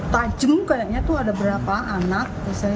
tajem kayaknya tuh ada berapa anak